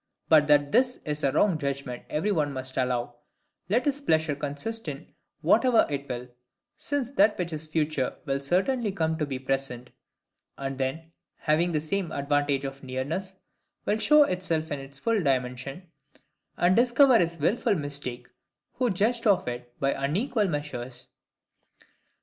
But that this is a wrong judgment every one must allow, let his pleasure consist in whatever it will: since that which is future will certainly come to be present; and then, having the same advantage of nearness, will show itself in its full dimensions, and discover his wilful mistake who judged of it by unequal measures.